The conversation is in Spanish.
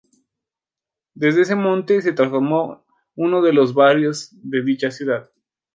Desde ese momento se transformó en uno de los tantos barrios de dicha ciudad.